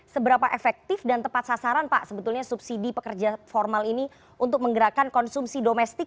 seberapa efektif dan tepat sasaran pak sebetulnya subsidi pekerja formal ini untuk menggerakkan konsumsi domestik